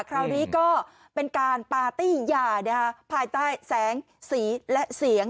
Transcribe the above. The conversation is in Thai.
คราวนี้ก็เป็นการปาร์ตี้ย่าภายใต้แสงสีและเสียง